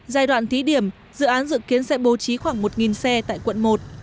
giai đoạn thí điểm dự án dự kiến sẽ bố trí khoảng một xe tại quận một